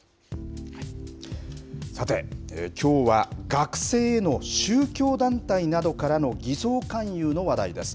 さて、きょうは学生への宗教団体などからの偽装勧誘の話題です。